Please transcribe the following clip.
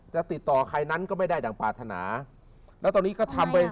จะติดต่อใครนั้นก็ไม่ได้ดังป่าใช่มั้ย